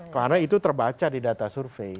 karena itu terbaca di data survei